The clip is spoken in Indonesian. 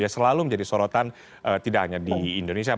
selalu menjadi sorotan tidak hanya di indonesia